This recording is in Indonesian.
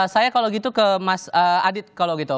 saya kalau gitu ke mas adit kalau gitu